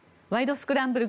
スクランブル」